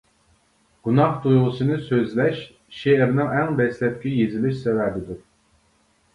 گۇناھ تۇيغۇسىنى سۆزلەش شېئىرنىڭ ئەڭ دەسلەپكى يېزىلىش سەۋەبىدۇر.